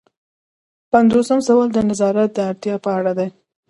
پنځوسم سوال د نظارت د اړتیا په اړه دی.